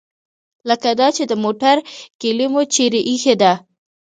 لکه دا چې د موټر کیلي مو چیرې ایښې ده.